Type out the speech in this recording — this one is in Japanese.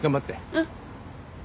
うん。